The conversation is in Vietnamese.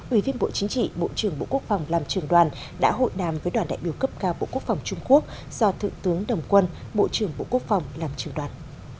ủy viên bộ chính trị bộ trưởng bộ quốc phòng làm trường đoàn đã hội đàm với đoàn đại biểu cấp cao bộ quốc phòng trung quốc do thượng tướng đồng quân bộ trưởng bộ quốc phòng làm trường đoàn